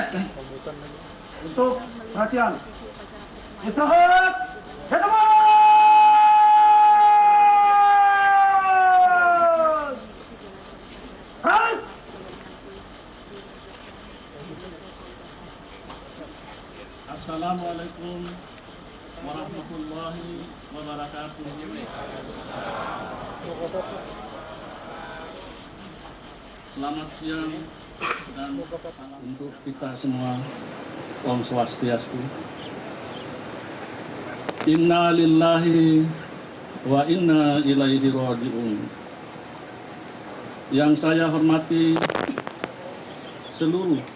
ketua makam pahlawan nasional